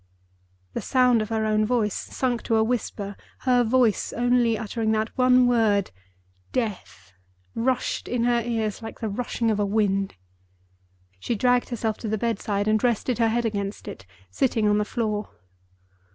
The sound of her own voice, sunk to a whisper—her voice only uttering that one word, Death—rushed in her ears like the rushing of a wind. She dragged herself to the bedside, and rested her head against it, sitting on the floor.